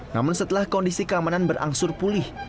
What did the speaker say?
namun setelah kondisi keamanan berangsur pulih